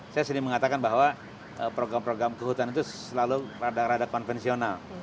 saya sering mengatakan bahwa program program kehutanan itu selalu rada rada konvensional